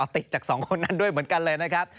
เอาติดจาก๒คนนั้นเหมือนกันเลยนะครับ